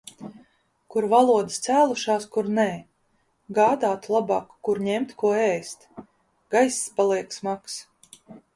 Kur valodas cēlušās, kur nē. Gādātu labāk, kur ņemt ko ēst. Gaiss paliek smags.